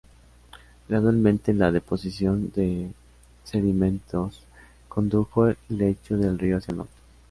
Gradualmente la deposición de sedimentos condujo el lecho del río hacia el norte.